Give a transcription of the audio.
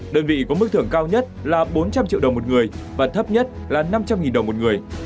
đơn vị có mức thưởng cao nhất là bốn trăm linh triệu đồng một người và thấp nhất là năm trăm linh đồng một người